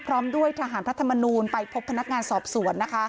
พร้อมด้วยทหารพระธรรมนูลไปพบพนักงานสอบสวน